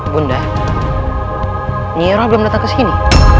bunda nyihiroh belum datang ke sini